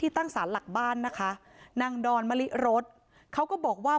ตั้งสารหลักบ้านนะคะนางดอนมะลิรสเขาก็บอกว่า